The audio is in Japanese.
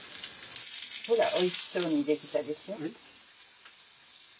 ほらおいしそうに出来たでしょ。